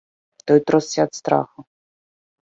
Той тросся ад страху.